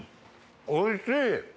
おいしい！